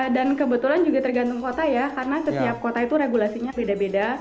dan kebetulan juga tergantung kota ya karena setiap kota itu regulasinya beda beda